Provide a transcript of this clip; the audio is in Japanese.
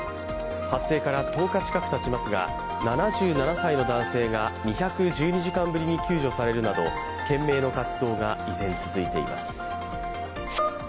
発生から１０日近くたちますが、７７歳の男性が２１２時間ぶりに救助されるなど懸命の活動が依然、続いています。